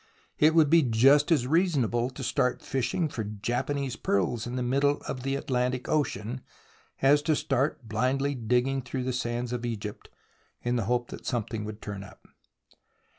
It would be just as reasonable to start fishing for Japanese pearls in the middle of the Atlantic Ocean, as to start blindly digging through the sands of Egypt in the hope that something would turn up.